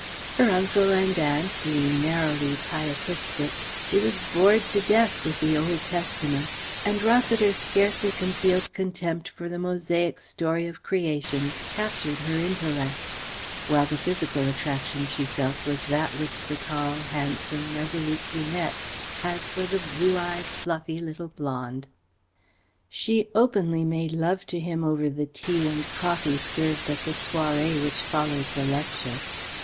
Her uncle and aunt being narrowly pietistic she was bored to death with the Old Testament, and Rossiter's scarcely concealed contempt for the Mosaic story of creation captured her intellect; while the physical attraction she felt was that which the tall, handsome, resolute brunet has for the blue eyed fluffy little blonde. She openly made love to him over the tea and coffee served at the "soirée" which followed the lecture.